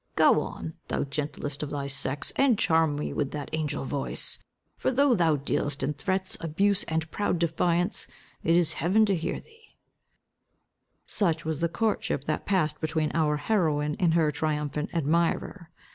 "Go on, thou gentlest of thy sex, and charm me with that angel voice! For though thou dealest in threats, abuse, and proud defiance, it is heaven to hear thee." Such was the courtship that passed between our heroine and her triumphant admirer.